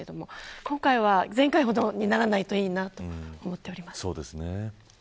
今回は前回ほどにならないといいなと思っています。